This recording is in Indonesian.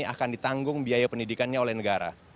akan ditanggung biaya pendidikannya oleh negara